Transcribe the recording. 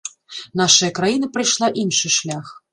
Нашая краіна прайшла іншы шлях.